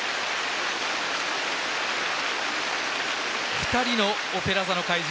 ２人の「オペラ座の怪人」。